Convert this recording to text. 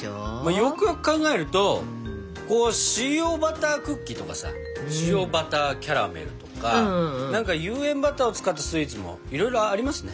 よくよく考えると塩バタークッキーとかさ塩バターキャラメルとか何か有塩バターを使ったスイーツもいろいろありますね。